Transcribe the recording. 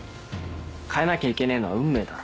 変えなきゃいけねえのは運命だろ？